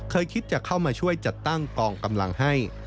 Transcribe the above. เคยคิดจะเข้ามาช่วยจัดตั้งกองกำลังให้